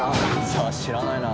さあ知らないな。